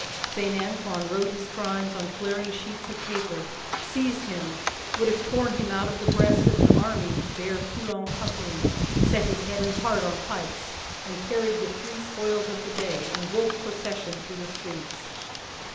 Saint Antoine wrote his crimes on flaring sheets of paper, seized him would have torn him out of the breast of an army to bear Foulon company set his head and heart on pikes, and carried the three spoils of the day, in Wolf procession through the streets.